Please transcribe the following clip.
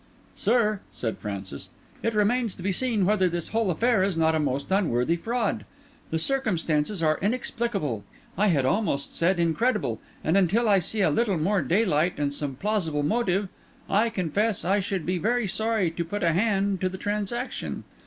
"Sir," said Francis, "it remains to be seen whether this whole affair is not a most unworthy fraud. The circumstances are inexplicable—I had almost said incredible; and until I see a little more daylight, and some plausible motive, I confess I should be very sorry to put a hand to the transaction.